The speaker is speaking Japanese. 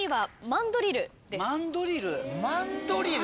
マンドリル。